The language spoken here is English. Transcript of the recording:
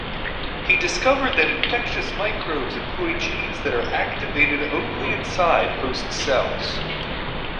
He discovered that infectious microbes employ genes that are activated only inside host cells.